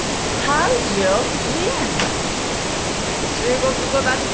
中国語だって。